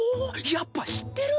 やっぱ知ってる。